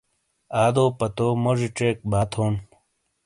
آ دو پتو موڙی ڇیک با تھونڈ